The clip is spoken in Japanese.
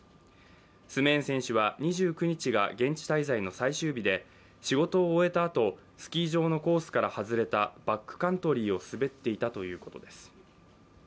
スメーン選手は２９日が現地滞在の最終日で仕事を終えたあとスキー場のコースから外れたバックカントリーを滑っていたということです。